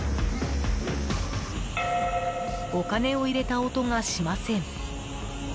お金を入れた音がしません。